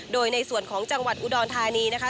โดยในส่วนของจังหวัดอุดรธานีนะคะ